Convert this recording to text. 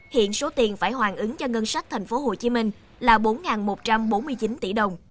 hiện số tiền phải hoàn ứng cho ngân sách tp hcm là bốn một trăm bốn mươi chín tỷ đồng